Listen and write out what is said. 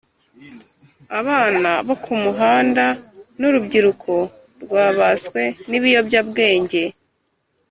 Abana bo ku muhanda n urubyiruko rwabaswe n ibiyobyabwenge